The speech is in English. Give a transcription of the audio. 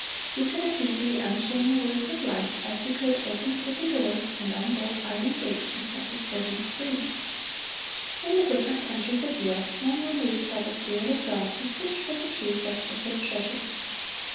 He could as easily unchain the words of life as He could open prison doors and unbolt iron gates to set His servants free. In the different countries of Europe men were moved by the Spirit of God to search for the truth as for hid treasures.